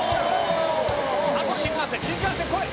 「あと新幹線」「新幹線来い！」